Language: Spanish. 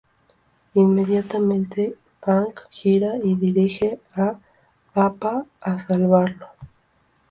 Inmediatamente, Aang gira y dirige a Appa a salvarlo.